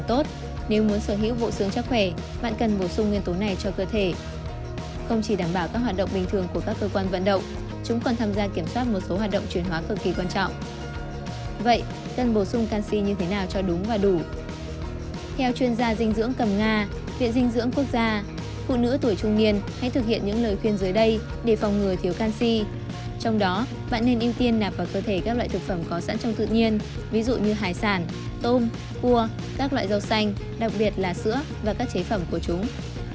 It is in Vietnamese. trong đó bạn nên ưu tiên nạp vào cơ thể các loại thực phẩm có sẵn trong tự nhiên ví dụ như hải sản tôm cua các loại rau xanh đặc biệt là sữa và các chế phẩm của chúng